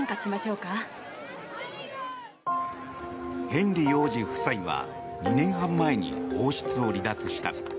ヘンリー王子夫妻は２年半前に王室を離脱した。